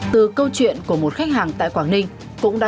từ câu chuyện của một khách hàng tại quảng ninh